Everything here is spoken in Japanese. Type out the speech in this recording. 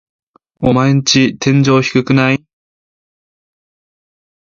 オマエんち天井低くない？